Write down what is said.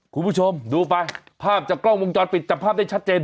คุณผู้ชมดูไปภาพจากกล้องวงจรปิดจับภาพได้ชัดเจน